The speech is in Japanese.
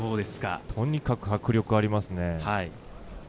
とにかく迫力がありますね。